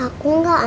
aku nemu anting itu